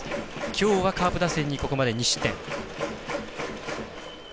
きょうカープ打線にここまで２失点。